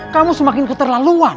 kamu semakin keterlaluan